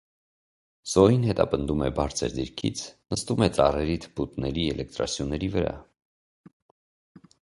Զոհին հետապնդում է բարձր դիրքից, նստում է ծառերի, թփուտների, էլեկտրասյուների վրա։